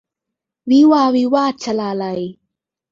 วิวาห์วิวาท - ชลาลัย